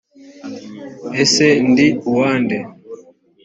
ese ndi uwa nde?